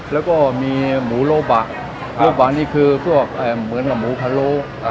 แล้วก็มีหมูโลบะโลบะนี่คือพวกเหมือนกับหมูพะโล